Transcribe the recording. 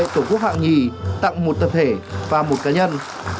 hai tổ quốc hạng nhì tặng một tập thể và một cá nhân